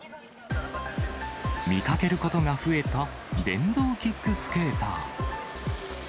見かけることが増えた電動キックスケーター。